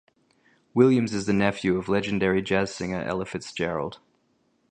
Williams is the nephew of legendary jazz singer Ella Fitzgerald.